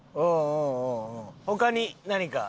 他に何か。